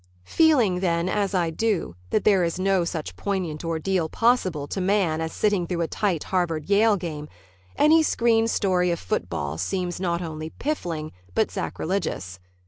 Feeling, then, as I do, that there is no such poignant ordeal possible to man as sitting through a tight Harvard Yale game, any screen story of football seems not only piffling but sacrilegious.